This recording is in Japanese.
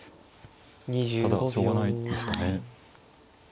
ただしょうがないですかね。